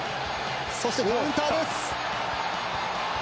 そして、カウンターです。